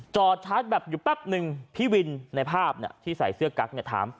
ชาร์จแบบอยู่แป๊บนึงพี่วินในภาพที่ใส่เสื้อกั๊กเนี่ยถาม